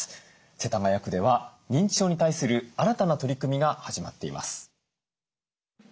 世田谷区では認知症に対する新たな取り組みが始まっています。